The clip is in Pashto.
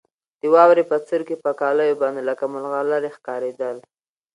د واورې بڅرکي په کالیو باندې لکه ملغلرې ښکارېدل.